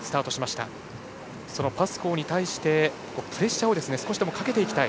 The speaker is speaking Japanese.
パスコーに対してプレッシャーを少しでもかけていきたい